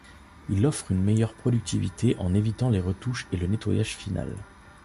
Il offre une meilleure productivité en évitant les retouches et le nettoyage final.